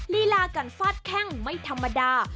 ลีลาการฟาดแข้งไม่ธรรมดา